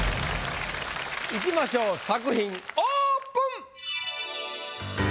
いきましょう作品オープン。